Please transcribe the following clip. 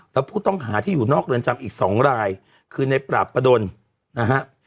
แล้วผู้ต้องหาที่อยู่นอกเรือนจำอีก๒รายคือในปราบประดนนะฮะ